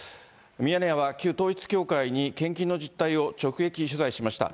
ミヤネ屋は旧統一教会に献金の実態を直撃取材しました。